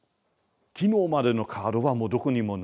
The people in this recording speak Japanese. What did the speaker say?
昨日までのカードはもうどこにもない。